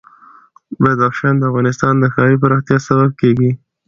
بدخشان د افغانستان د ښاري پراختیا سبب کېږي.